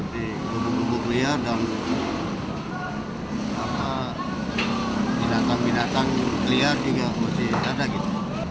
di kubu kubu keliar dan binatang binatang keliar juga harus ada gitu